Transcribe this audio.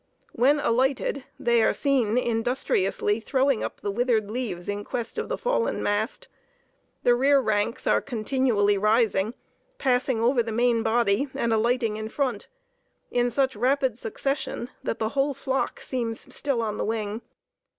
When alighted, they are seen industriously throwing up the withered leaves in quest of the fallen mast. The rear ranks are continually rising, passing over the main body, and alighting in front, in such rapid succession, that the whole flock seems still on the wing.